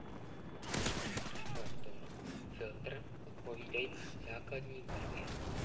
Každý reflektor má filtr odpovídající základní barvě.